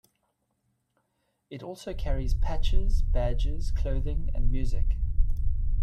It also carries patches, badges, clothing and music.